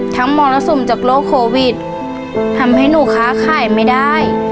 ทั้งมรสุมจากโลกโควิดทำให้หนูค้าไขมันไม่ได้